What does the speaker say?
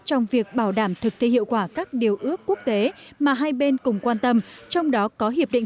trong việc bảo đảm thực thi hiệu quả các điều ước quốc tế mà hai bên cùng quan tâm trong đó có hiệp định